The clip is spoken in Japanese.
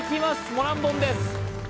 モランボンです